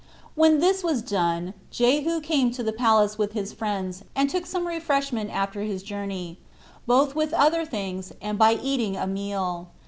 When this was done, Jehu came to the palace with his friends, and took some refreshment after his journey, both with other things, and by eating a meal.